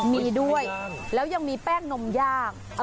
มีด้วยแล้วยังมีแป้งนมย่าง